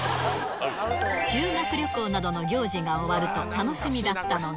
修学旅行などの行事が終わると、楽しみだったのが。